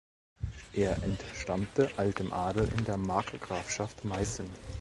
Er entstammte altem Adel in der Markgrafschaft Meißen.